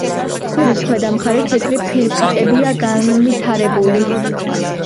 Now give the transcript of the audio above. ქუდის ქვედა მხარეს თეთრი ფირფიტებია განვითარებული.